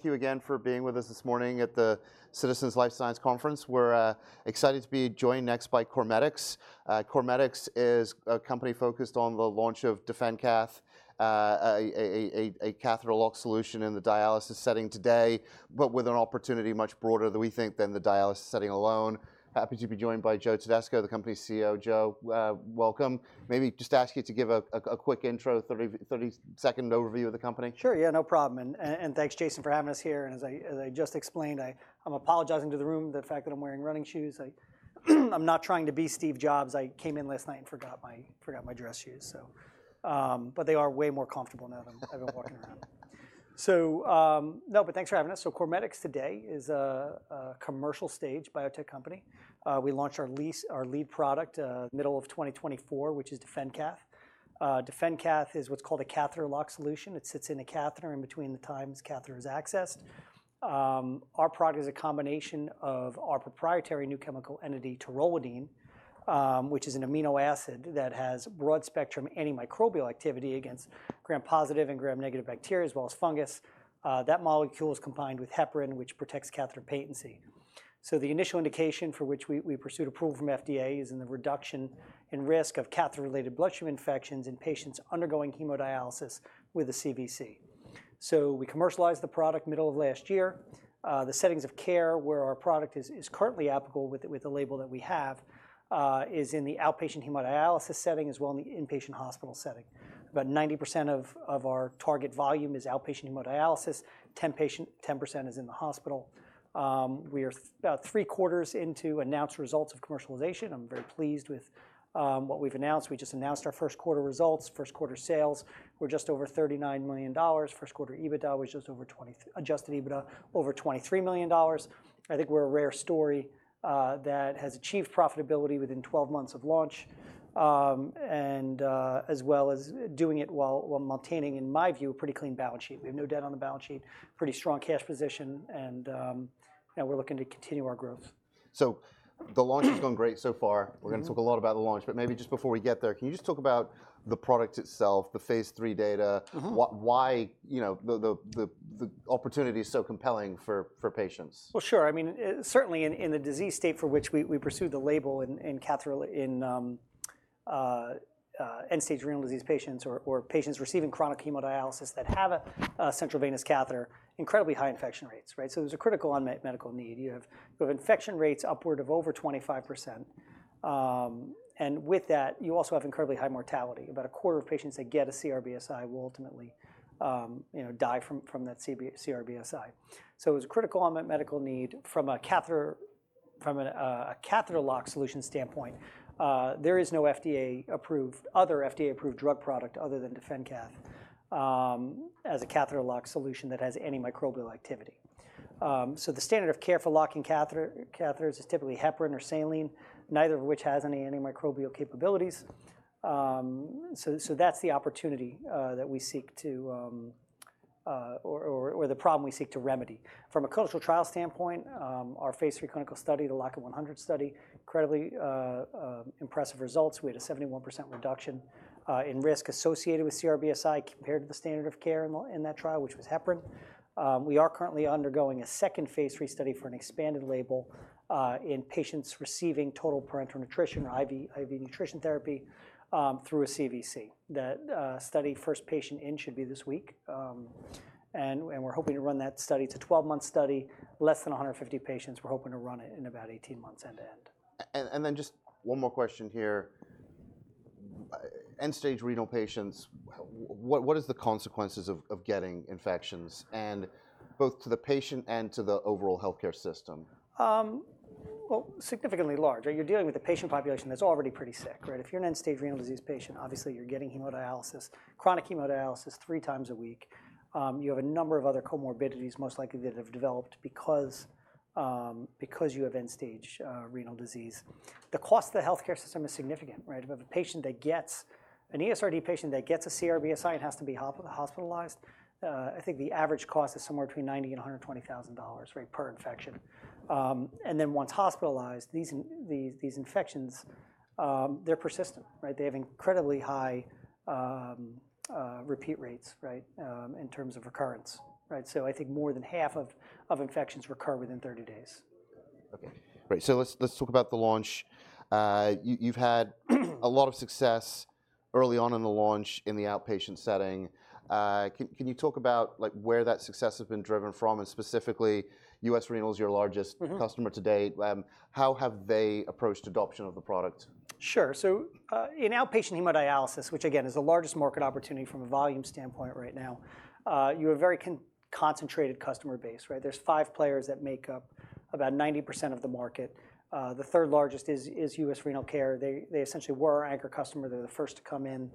Thank you again for being with us this morning at the Citizens Life Science Conference. We're excited to be joined next by CorMedix. CorMedix is a company focused on the launch of DefenCath, a catheter-lock solution in the dialysis setting today, but with an opportunity much broader than we think than the dialysis setting alone. Happy to be joined by Joe Todisco, the company's CEO. Joe, welcome. Maybe just ask you to give a quick intro, a 30-second overview of the company. Sure, yeah, no problem. Thanks, Jason, for having us here. As I just explained, I'm apologizing to the room for the fact that I'm wearing running shoes. I'm not trying to be Steve Jobs. I came in last night and forgot my dress shoes. They are way more comfortable now that I've been walking around. No, but thanks for having us. CorMedix today is a commercial stage biotech company. We launched our lead product in the middle of 2024, which is DefenCath. DefenCath is what's called a catheter-lock solution. It sits in a catheter in between the times the catheter is accessed. Our product is a combination of our proprietary new chemical entity, taurolidine, which is an amino acid that has broad-spectrum antimicrobial activity against gram-positive and gram-negative bacteria, as well as fungus. That molecule is combined with heparin, which protects catheter patency. The initial indication for which we pursued approval from the FDA is in the reduction in risk of catheter-related bloodstream infections in patients undergoing hemodialysis with a CVC. We commercialized the product in the middle of last year. The settings of care where our product is currently applicable with the label that we have is in the outpatient hemodialysis setting, as well as in the inpatient hospital setting. About 90% of our target volume is outpatient hemodialysis. 10% is in the hospital. We are about three-quarters into announced results of commercialization. I'm very pleased with what we've announced. We just announced our first-quarter results, first-quarter sales. We're just over $39 million. First-quarter EBITDA, we just over adjusted EBITDA, over $23 million. I think we're a rare story that has achieved profitability within 12 months of launch, as well as doing it while maintaining, in my view, a pretty clean balance sheet. We have no debt on the balance sheet, pretty strong cash position, and we're looking to continue our growth. The launch has gone great so far. We're going to talk a lot about the launch. Maybe just before we get there, can you just talk about the product itself, the phase III data, why the opportunity is so compelling for patients? I mean, certainly in the disease state for which we pursued the label in end-stage renal disease patients or patients receiving chronic hemodialysis that have a central venous catheter, incredibly high infection rates. There is a critical unmet medical need. You have infection rates upward of over 25%. With that, you also have incredibly high mortality. About a quarter of patients that get a CRBSI will ultimately die from that CRBSI. It was a critical unmet medical need. From a catheter-lock solution standpoint, there is no other FDA-approved drug product other than DefenCath as a catheter-lock solution that has antimicrobial activity. The standard of care for locking catheters is typically heparin or saline, neither of which has any antimicrobial capabilities. That is the opportunity that we seek to or the problem we seek to remedy. From a clinical trial standpoint, our phase III clinical study, the LOCK-IT-100 study, incredibly impressive results. We had a 71% reduction in risk associated with CRBSI compared to the standard of care in that trial, which was heparin. We are currently undergoing a second phase III study for an expanded label in patients receiving total parenteral nutrition or IV nutrition therapy through a CVC. That study, first patient in, should be this week. We are hoping to run that study. It is a 12-month study, less than 150 patients. We are hoping to run it in about 18 months end to end. Just one more question here. End-stage renal patients, what are the consequences of getting infections, both to the patient and to the overall healthcare system? Significantly large. You're dealing with a patient population that's already pretty sick. If you're an end-stage renal disease patient, obviously you're getting chronic hemodialysis three times a week. You have a number of other comorbidities most likely that have developed because you have end-stage renal disease. The cost to the healthcare system is significant. If a patient that gets an ESRD patient that gets a CRBSI and has to be hospitalized, I think the average cost is somewhere between $90,000 and $120,000 per infection. Once hospitalized, these infections, they're persistent. They have incredibly high repeat rates in terms of recurrence. I think more than half of infections recur within 30 days. Okay. Great. Let's talk about the launch. You've had a lot of success early on in the launch in the outpatient setting. Can you talk about where that success has been driven from? Specifically, US Renal is your largest customer to date. How have they approached adoption of the product? Sure. In outpatient hemodialysis, which again is the largest market opportunity from a volume standpoint right now, you have a very concentrated customer base. There are five players that make up about 90% of the market. The third largest is U.S. Renal Care. They essentially were our anchor customer. They were the first to come in,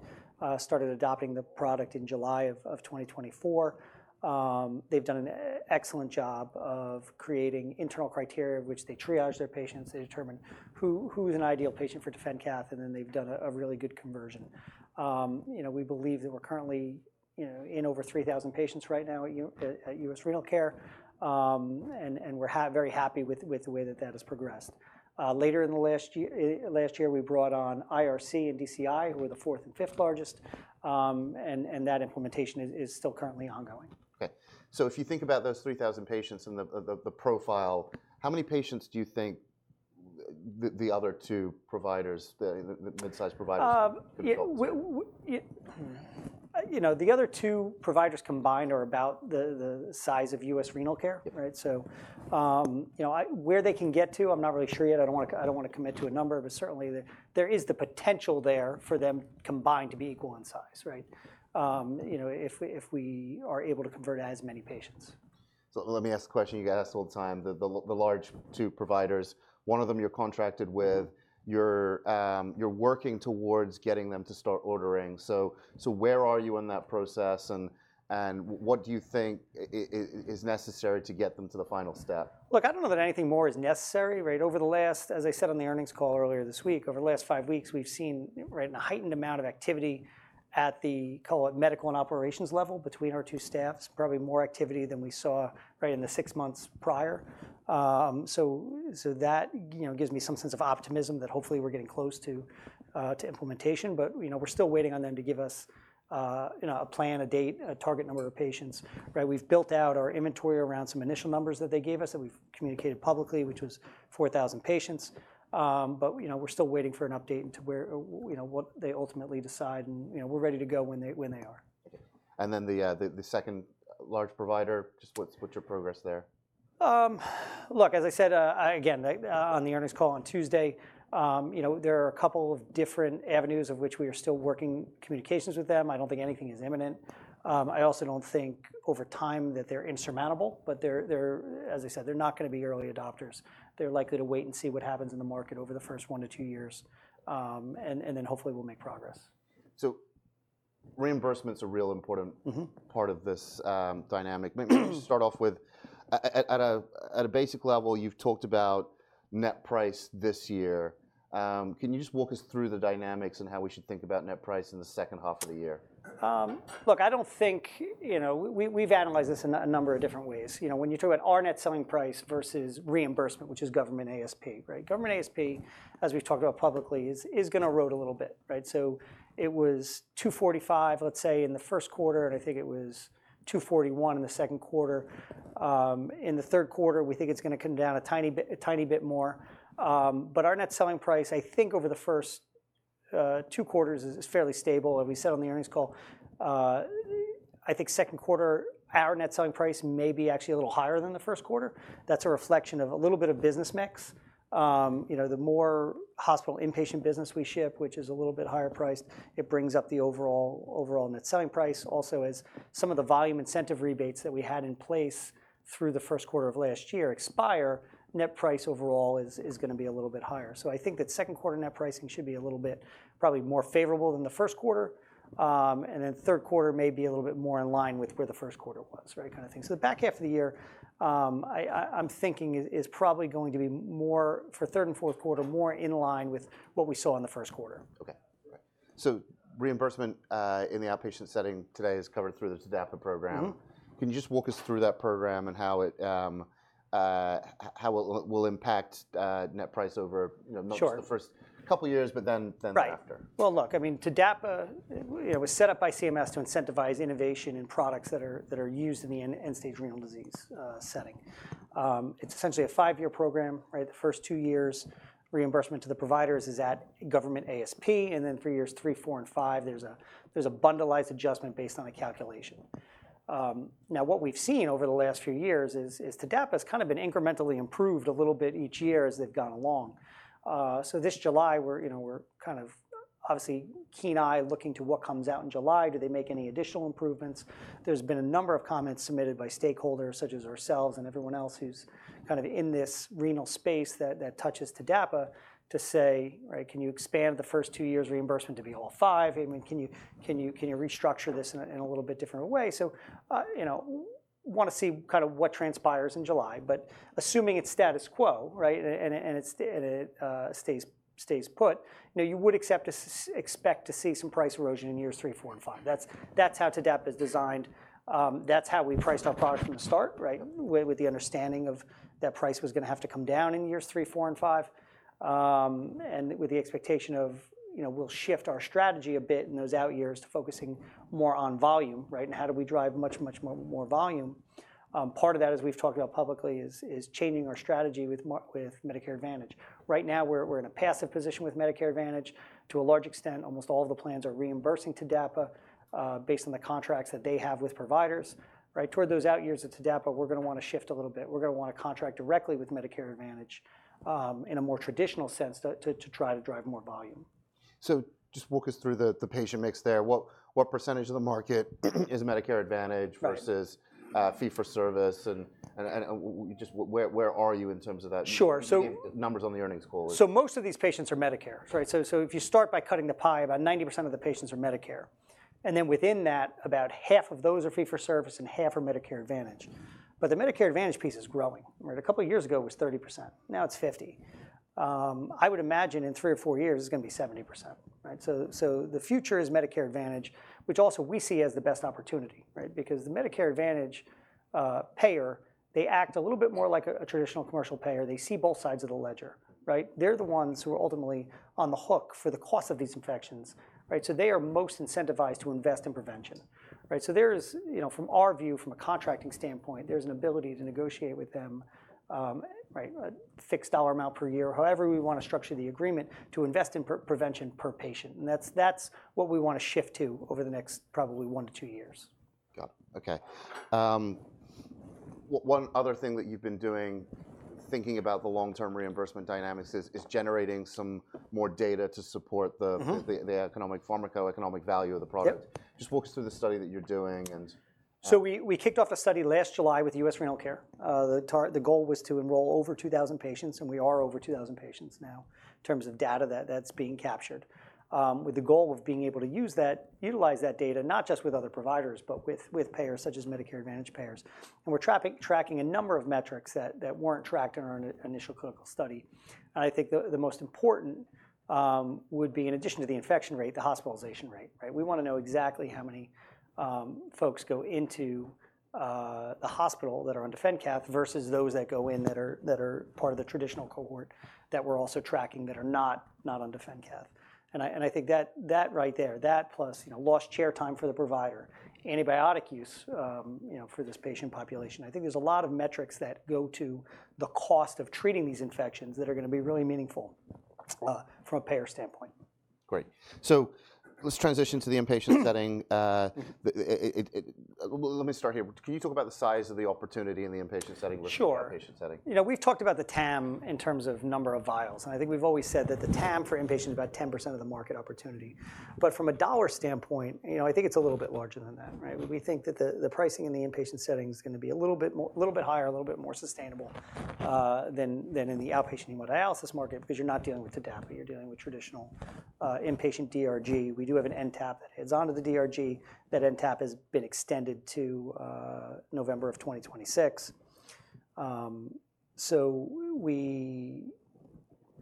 started adopting the product in July of 2024. They've done an excellent job of creating internal criteria, which they triage their patients. They determine who is an ideal patient for DefenCath, and then they've done a really good conversion. We believe that we're currently in over 3,000 patients right now at U.S. Renal Care. We are very happy with the way that that has progressed. Later in the last year, we brought on IRC and DCI, who are the fourth and fifth largest. That implementation is still currently ongoing. Okay. If you think about those 3,000 patients and the profile, how many patients do you think the other two providers, the mid-sized providers, could be close to? The other two providers combined are about the size of U.S. Renal Care. Where they can get to, I'm not really sure yet. I don't want to commit to a number. Certainly, there is the potential there for them combined to be equal in size if we are able to convert as many patients. Let me ask a question you get asked all the time. The large two providers, one of them you're contracted with, you're working towards getting them to start ordering. Where are you in that process? What do you think is necessary to get them to the final step? Look, I don't know that anything more is necessary. Over the last, as I said on the earnings call earlier this week, over the last five weeks, we've seen a heightened amount of activity at the medical and operations level between our two staffs, probably more activity than we saw in the six months prior. That gives me some sense of optimism that hopefully we're getting close to implementation. We're still waiting on them to give us a plan, a date, a target number of patients. We've built out our inventory around some initial numbers that they gave us that we've communicated publicly, which was 4,000 patients. We're still waiting for an update into what they ultimately decide. We're ready to go when they are. The second large provider, just what's your progress there? Look, as I said, again, on the earnings call on Tuesday, there are a couple of different avenues of which we are still working communications with them. I do not think anything is imminent. I also do not think over time that they are insurmountable. As I said, they are not going to be early adopters. They are likely to wait and see what happens in the market over the first one to two years. Hopefully we will make progress. Reimbursement is a real important part of this dynamic. Maybe we should start off with, at a basic level, you've talked about net price this year. Can you just walk us through the dynamics and how we should think about net price in the second half of the year? Look, I don't think we've analyzed this in a number of different ways. When you talk about our net selling price versus reimbursement, which is government ASP, government ASP, as we've talked about publicly, is going to erode a little bit. So it was $245, let's say, in the first quarter. And I think it was $241 in the second quarter. In the third quarter, we think it's going to come down a tiny bit more. But our net selling price, I think over the first two quarters, is fairly stable. And we said on the earnings call, I think second quarter, our net selling price may be actually a little higher than the first quarter. That's a reflection of a little bit of business mix. The more hospital inpatient business we ship, which is a little bit higher priced, it brings up the overall net selling price. Also, as some of the volume incentive rebates that we had in place through the first quarter of last year expire, net price overall is going to be a little bit higher. I think that second quarter net pricing should be a little bit probably more favorable than the first quarter. Third quarter may be a little bit more in line with where the first quarter was kind of thing. The back half of the year, I'm thinking, is probably going to be more for third and fourth quarter, more in line with what we saw in the first quarter. Okay. Reimbursement in the outpatient setting today is covered through the TDAPA program. Can you just walk us through that program and how it will impact net price over not just the first couple of years, but then after? Right. Look, I mean, TDAPA was set up by CMS to incentivize innovation in products that are used in the end-stage renal disease setting. It's essentially a five-year program. The first two years, reimbursement to the providers is at government ASP. Then years three, four, and five, there's a bundleized adjustment based on a calculation. Now, what we've seen over the last few years is TDAPA has kind of been incrementally improved a little bit each year as they've gone along. This July, we're kind of obviously keen-eyed looking to what comes out in July. Do they make any additional improvements? There's been a number of comments submitted by stakeholders, such as ourselves and everyone else who's kind of in this renal space that touches TDAPA, to say, can you expand the first two years' reimbursement to be all five? Can you restructure this in a little bit different way? I want to see kind of what transpires in July. Assuming it's status quo and it stays put, you would expect to see some price erosion in years three, four, and five. That's how TDAPA is designed. That's how we priced our product from the start, with the understanding that price was going to have to come down in years three, four, and five, and with the expectation of we'll shift our strategy a bit in those out years to focusing more on volume and how do we drive much, much more volume. Part of that, as we've talked about publicly, is changing our strategy with Medicare Advantage. Right now, we're in a passive position with Medicare Advantage. To a large extent, almost all of the plans are reimbursing TDAPA based on the contracts that they have with providers. Toward those out years of TDAPA, we're going to want to shift a little bit. We're going to want to contract directly with Medicare Advantage in a more traditional sense to try to drive more volume. Just walk us through the patient mix there. What percentage of the market is Medicare Advantage versus fee for service? Where are you in terms of that numbers on the earnings call? Most of these patients are Medicare. If you start by cutting the pie, about 90% of the patients are Medicare. Within that, about half of those are fee for service and half are Medicare Advantage. The Medicare Advantage piece is growing. A couple of years ago, it was 30%. Now it's 50%. I would imagine in three or four years, it's going to be 70%. The future is Medicare Advantage, which also we see as the best opportunity. The Medicare Advantage payer acts a little bit more like a traditional commercial payer. They see both sides of the ledger. They're the ones who are ultimately on the hook for the cost of these infections. They are most incentivized to invest in prevention. From our view, from a contracting standpoint, there's an ability to negotiate with them fixed dollar amount per year, however we want to structure the agreement, to invest in prevention per patient. And that's what we want to shift to over the next probably one to two years. Got it. Okay. One other thing that you've been doing, thinking about the long-term reimbursement dynamics, is generating some more data to support the economic pharmacoeconomic value of the product. Just walk us through the study that you're doing. We kicked off the study last July with U.S. Renal Care. The goal was to enroll over 2,000 patients. We are over 2,000 patients now in terms of data that's being captured, with the goal of being able to utilize that data not just with other providers, but with payers such as Medicare Advantage payers. We're tracking a number of metrics that weren't tracked in our initial clinical study. I think the most important would be, in addition to the infection rate, the hospitalization rate. We want to know exactly how many folks go into the hospital that are on DefenCath versus those that go in that are part of the traditional cohort that we're also tracking that are not on DefenCath. I think that right there, that plus lost chair time for the provider, antibiotic use for this patient population, I think there's a lot of metrics that go to the cost of treating these infections that are going to be really meaningful from a payer standpoint. Great. Let's transition to the inpatient setting. Let me start here. Can you talk about the size of the opportunity in the inpatient setting versus outpatient setting? Sure. We've talked about the TAM in terms of number of vials. And I think we've always said that the TAM for inpatient is about 10% of the market opportunity. But from a dollar standpoint, I think it's a little bit larger than that. We think that the pricing in the inpatient setting is going to be a little bit higher, a little bit more sustainable than in the outpatient hemodialysis market because you're not dealing with TDAPA. You're dealing with traditional inpatient DRG. We do have an NTAP that heads on to the DRG. That NTAP has been extended to November of 2026.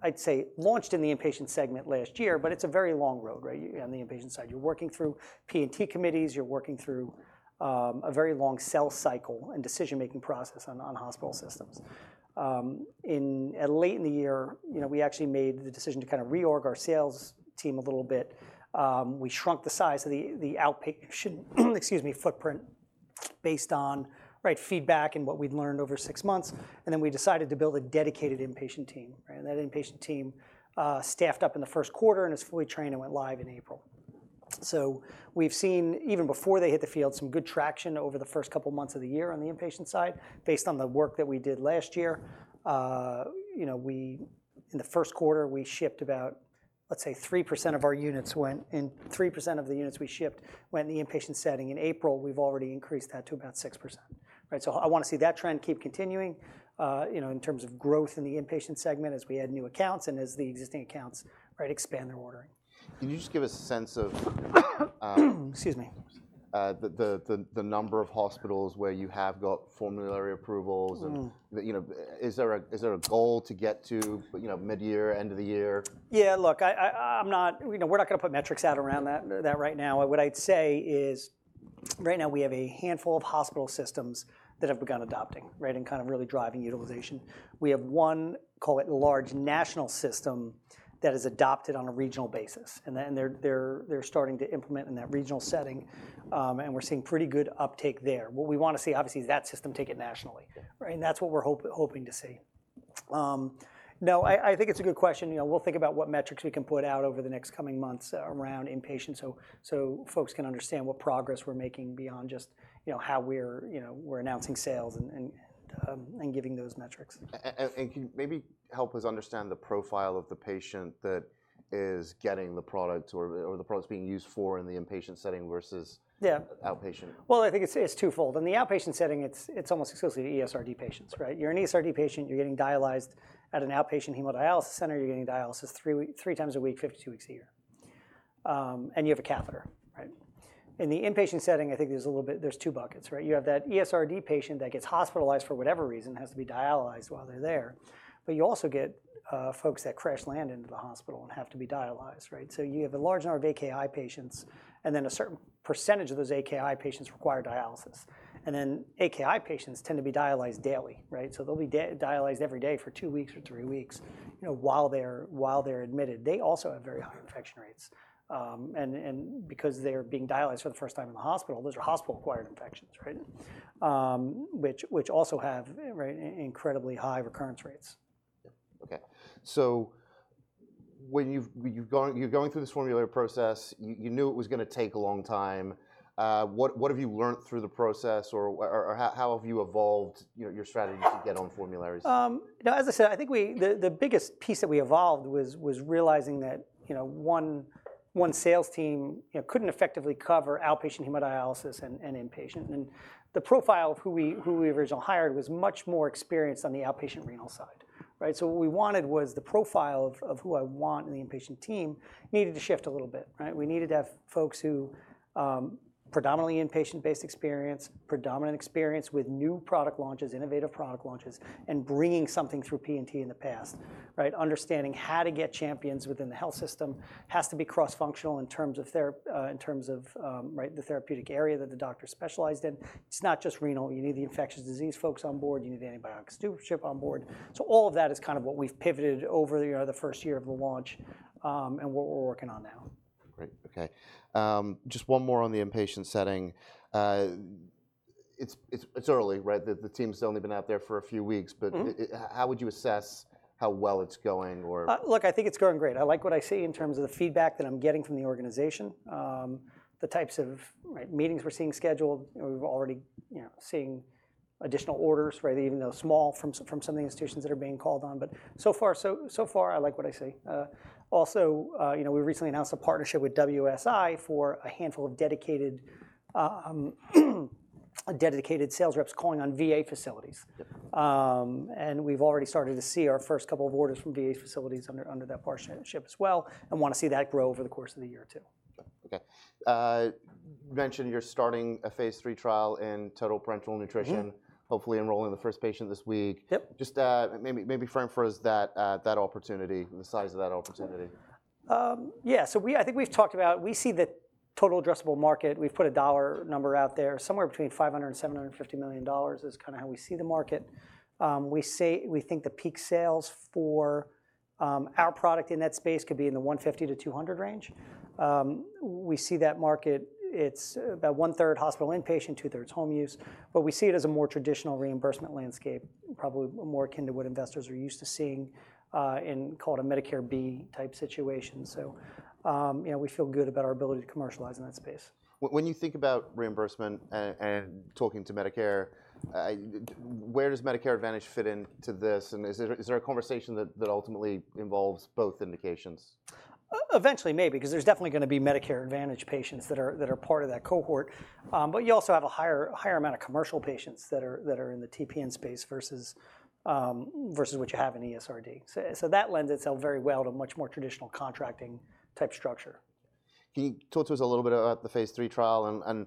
I'd say launched in the inpatient segment last year. But it's a very long road on the inpatient side. You're working through P&T committees. You're working through a very long sell cycle and decision-making process on hospital systems. Late in the year, we actually made the decision to kind of reorg our sales team a little bit. We shrunk the size of the outpatient footprint based on feedback and what we'd learned over six months. Then we decided to build a dedicated inpatient team. That inpatient team staffed up in the first quarter and is fully trained and went live in April. We have seen, even before they hit the field, some good traction over the first couple of months of the year on the inpatient side, based on the work that we did last year. In the first quarter, we shipped about, let's say, 3% of our units went in, 3% of the units we shipped went in the inpatient setting. In April, we've already increased that to about 6%. I want to see that trend keep continuing in terms of growth in the inpatient segment as we add new accounts and as the existing accounts expand their ordering. Can you just give us a sense of? Excuse me. The number of hospitals where you have got formulary approvals? Is there a goal to get to mid-year, end of the year? Yeah. Look, we're not going to put metrics out around that right now. What I'd say is, right now, we have a handful of hospital systems that have begun adopting and kind of really driving utilization. We have one, call it large national system, that has adopted on a regional basis. They're starting to implement in that regional setting. We're seeing pretty good uptake there. What we want to see, obviously, is that system take it nationally. That's what we're hoping to see. No, I think it's a good question. We'll think about what metrics we can put out over the next coming months around inpatient so folks can understand what progress we're making beyond just how we're announcing sales and giving those metrics. Can you maybe help us understand the profile of the patient that is getting the product or the product being used for in the inpatient setting versus outpatient? Yeah. I think it's twofold. In the outpatient setting, it's almost exclusively ESRD patients. You're an ESRD patient. You're getting dialyzed at an outpatient hemodialysis center. You're getting dialysis three times a week, 52 weeks a year. You have a catheter. In the inpatient setting, I think there's two buckets. You have that ESRD patient that gets hospitalized for whatever reason and has to be dialyzed while they're there. You also get folks that crash land into the hospital and have to be dialyzed. You have a large number of AKI patients. Then a certain percentage of those AKI patients require dialysis. AKI patients tend to be dialyzed daily. They'll be dialyzed every day for two weeks or three weeks while they're admitted. They also have very high infection rates. Because they're being dialyzed for the first time in the hospital, those are hospital-acquired infections, which also have incredibly high recurrence rates. Okay. When you're going through this formulary process, you knew it was going to take a long time. What have you learned through the process? How have you evolved your strategy to get on formulary? As I said, I think the biggest piece that we evolved was realizing that one sales team could not effectively cover outpatient hemodialysis and inpatient. The profile of who we originally hired was much more experienced on the outpatient renal side. What we wanted was the profile of who I want in the inpatient team needed to shift a little bit. We needed to have folks who had predominantly inpatient-based experience, predominant experience with new product launches, innovative product launches, and bringing something through P&T in the past, understanding how to get champions within the health system. It has to be cross-functional in terms of the therapeutic area that the doctor specialized in. It is not just renal. You need the infectious disease folks on board. You need antibiotic stewardship on board. All of that is kind of what we've pivoted over the first year of the launch and what we're working on now. Great. Okay. Just one more on the inpatient setting. It's early. The team's only been out there for a few weeks. How would you assess how well it's going? Look, I think it's going great. I like what I see in terms of the feedback that I'm getting from the organization, the types of meetings we're seeing scheduled. We're already seeing additional orders, even though small, from some of the institutions that are being called on. So far, I like what I see. Also, we recently announced a partnership with WSI for a handful of dedicated sales reps calling on VA facilities. We've already started to see our first couple of orders from VA facilities under that partnership as well and want to see that grow over the course of the year, too. Okay. You mentioned you're starting a phase III trial in total parenteral nutrition, hopefully enrolling the first patient this week. Just maybe frame for us that opportunity, the size of that opportunity. Yeah. I think we've talked about we see the total addressable market. We've put a dollar number out there. Somewhere between $500 million-$750 million is kind of how we see the market. We think the peak sales for our product in that space could be in the $150 million-$200 million range. We see that market. It's about 1/3 hospital inpatient, 2/3 home use. We see it as a more traditional reimbursement landscape, probably more akin to what investors are used to seeing in, call it a Medicare B type situation. We feel good about our ability to commercialize in that space. When you think about reimbursement and talking to Medicare, where does Medicare Advantage fit into this? Is there a conversation that ultimately involves both indications? Eventually, maybe, because there's definitely going to be Medicare Advantage patients that are part of that cohort. You also have a higher amount of commercial patients that are in the TPN space versus what you have in ESRD. That lends itself very well to a much more traditional contracting type structure. Can you talk to us a little bit about the phase III trial?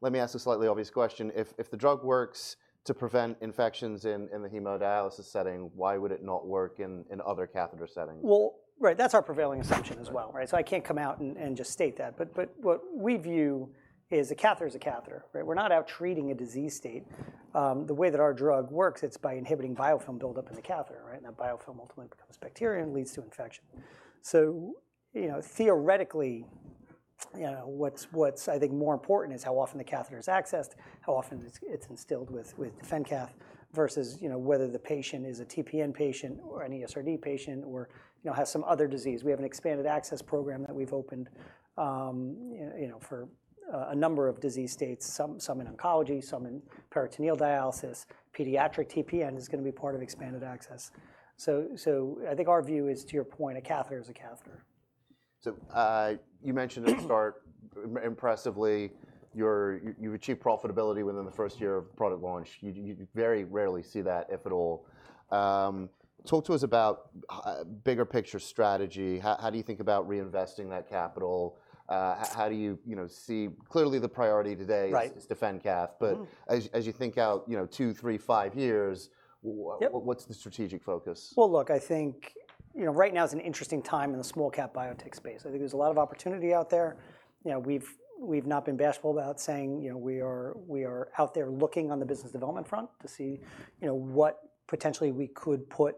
Let me ask a slightly obvious question. If the drug works to prevent infections in the hemodialysis setting, why would it not work in other catheter settings? That's our prevailing assumption as well. I can't come out and just state that. What we view is a catheter is a catheter. We're not out treating a disease state. The way that our drug works, it's by inhibiting biofilm buildup in the catheter. That biofilm ultimately becomes bacteria and leads to infection. Theoretically, what's, I think, more important is how often the catheter is accessed, how often it's instilled with DefenCath, versus whether the patient is a TPN patient or an ESRD patient or has some other disease. We have an expanded access program that we've opened for a number of disease states, some in oncology, some in peritoneal dialysis. Pediatric TPN is going to be part of expanded access. I think our view is, to your point, a catheter is a catheter. You mentioned at the start, impressively, you've achieved profitability within the first year of product launch. You very rarely see that, if at all. Talk to us about bigger picture strategy. How do you think about reinvesting that capital? How do you see clearly the priority today is DefenCath. As you think out two, three, five years, what's the strategic focus? I think right now is an interesting time in the small cap biotech space. I think there's a lot of opportunity out there. We've not been bashful about saying we are out there looking on the business development front to see what potentially we could put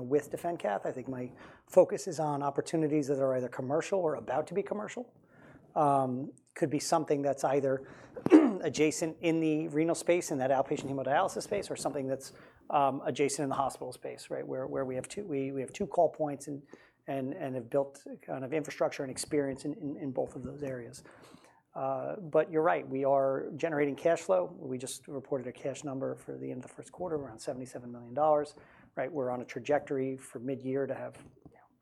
with DefenCath. I think my focus is on opportunities that are either commercial or about to be commercial. It could be something that's either adjacent in the renal space and that outpatient hemodialysis space or something that's adjacent in the hospital space, where we have two call points and have built kind of infrastructure and experience in both of those areas. You're right. We are generating cash flow. We just reported a cash number for the end of the first quarter, around $77 million. We're on a trajectory for mid-year to have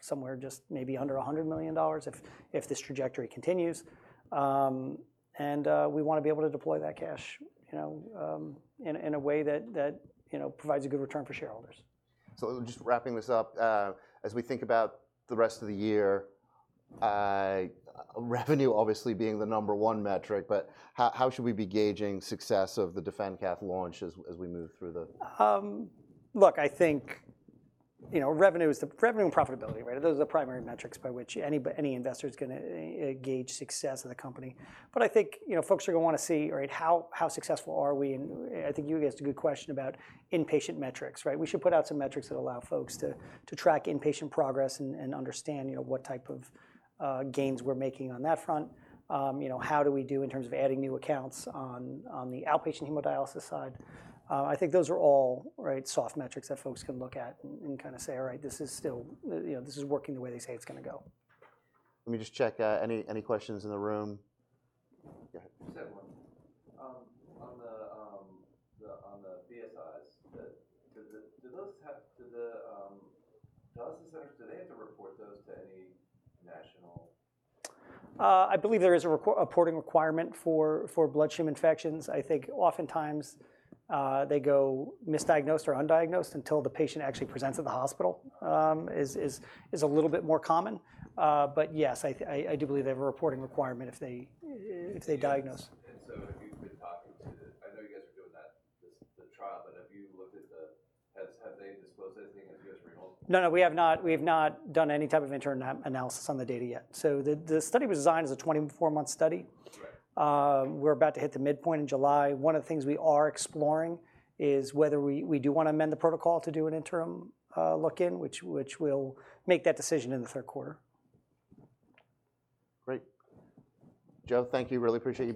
somewhere just maybe under $100 million if this trajectory continues. We want to be able to deploy that cash in a way that provides a good return for shareholders. So just wrapping this up, as we think about the rest of the year, revenue obviously being the number one metric. How should we be gauging success of the DefenCath launch as we move through the? Look, I think revenue and profitability, those are the primary metrics by which any investor is going to gauge success of the company. I think folks are going to want to see how successful are we. I think you asked a good question about inpatient metrics. We should put out some metrics that allow folks to track inpatient progress and understand what type of gains we're making on that front. How do we do in terms of adding new accounts on the outpatient hemodialysis side? I think those are all soft metrics that folks can look at and kind of say, all right, this is still working the way they say it's going to go. Let me just check. Any questions in the room? Just have one. On the BSIs, do the dialysis centers, do they have to report those to any national? I believe there is a reporting requirement for bloodstream infections. I think oftentimes they go misdiagnosed or undiagnosed until the patient actually presents at the hospital. It is a little bit more common. Yes, I do believe they have a reporting requirement if they diagnose. If you've been talking to, I know you guys are doing the trial. But have you looked at the, have they disclosed anything as US Renal? No, no. We have not. We have not done any type of internal analysis on the data yet. The study was designed as a 24-month study. We're about to hit the midpoint in July. One of the things we are exploring is whether we do want to amend the protocol to do an interim look in, which we'll make that decision in the third quarter. Great. Joe, thank you. Really appreciate it.